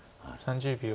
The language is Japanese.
３０秒。